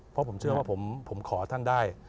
เพราะผมเชื่อว่าผมขอท่านได้